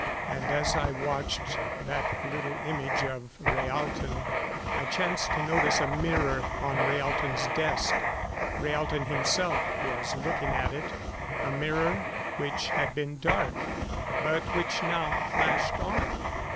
And as I watched that little image of Rhaalton, I chanced to notice a mirror on Rhaalton's desk. Rhaalton himself was looking at it a mirror which had been dark, but which now flashed on.